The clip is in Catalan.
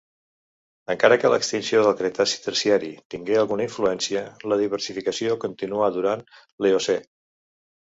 Encara que l'extinció del Cretaci-Terciari tingué alguna influència, la diversificació continuà durant l'Eocè.